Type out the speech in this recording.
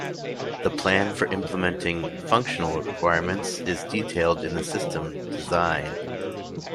The plan for implementing "functional" requirements is detailed in the system "design".